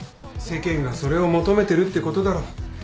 世間がそれを求めてるってことだろ。